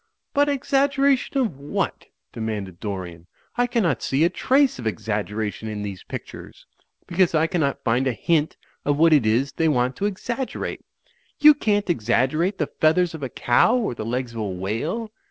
"But exaggeration of what?" demanded Dorian. "I cannot see a trace of exaggeration in these pictures; because I cannot find a hint of what it is they want to exaggerate. You can't exaggerate the feathers of a cow or the legs of a whale.